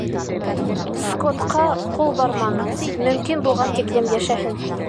Скоттҡа ҡул барманы, мөмкин булған тиклем йәшәһен.